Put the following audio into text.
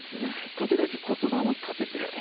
時々骨盤を立ててやる。